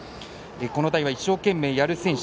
この代は一生懸命やる選手。